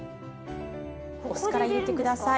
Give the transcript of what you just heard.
お酢から入れて下さい。